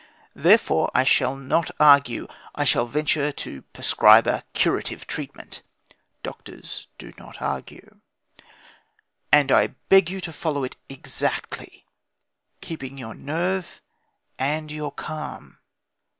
Therefore I shall not argue. I shall venture to prescribe a curative treatment (doctors do not argue); and I beg you to follow it exactly, keeping your nerve and your calm.